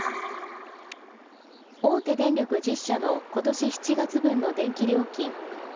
大手電力１０社のことし７月分の電気料金。